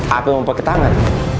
apa mau pake tangan